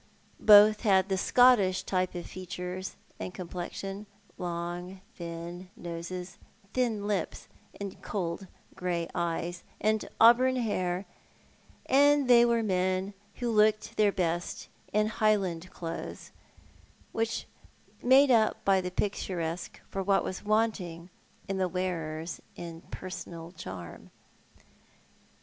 Both had the Scottish type of features and complexion, long, thin noses, thin lips, cold grey eyes, and auburn hair, and they were men who looked tbeir best in Highland clothes, which made up by the picturesque for what was wanting to the wearers in personal charm.